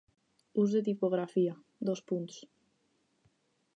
Ús de tipografia: